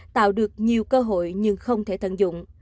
tạo được nhiều cơ hội nhưng không thể tận dụng